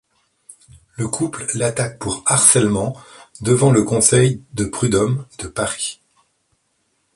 Le couple l'attaque pour harcèlement devant le conseil de prud'hommes de Paris.